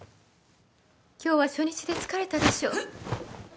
・今日は初日で疲れたでしょう。